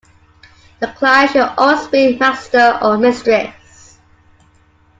The client should always be master or mistress.